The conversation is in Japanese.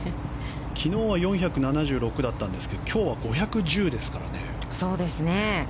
昨日は４７６だったんですが今日は５１０ですからね。